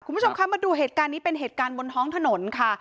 คุณผู้ชมคะมาดูเหตุการณ์นี้เป็นเหตุการณ์บนท้องถนนค่ะ